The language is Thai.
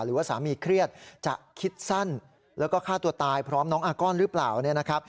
หรือว่าสามีเครียดจะคิดสั้นแล้วก็ฆ่าตัวตายพร้อมน้องอาก้อนหรือเปล่าเนี่ยนะครับ